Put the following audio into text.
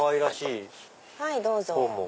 はいどうぞ。